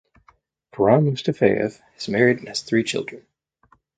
Karam Mustafayev is married and has three children.